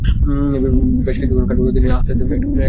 এভাবে বেশ কিছুক্ষণ কাটবার পর তিনি আস্তে আস্তে একটা কলম তুলে নিলেন।